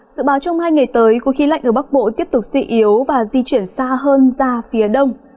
dự báo trong hai ngày tới khối khí lạnh ở bắc bộ tiếp tục suy yếu và di chuyển xa hơn ra phía đông